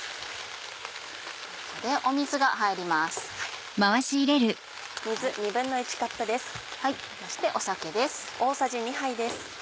水が入ります。